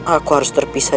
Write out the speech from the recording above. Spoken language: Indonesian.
aku harus terpisah